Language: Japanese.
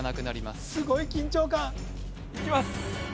すごい緊張感いきます